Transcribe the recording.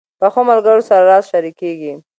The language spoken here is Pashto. پخو ملګرو سره راز شریکېږي